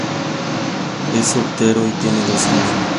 Es soltero y tiene dos hermanos.